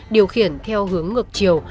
điều khiển theo hướng ngược chiều